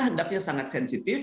hendaknya sangat sensitif